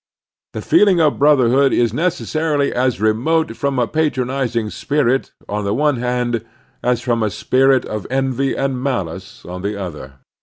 The feeling of brotherhood is necessarily as remote from a patronizing spirit, on the one hand, as from a spirit of envy and malice, on the other.